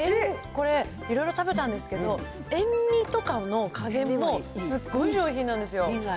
これ、いろいろ食べたんですけど、塩味とかの加減も、すっごい上品なんですよ。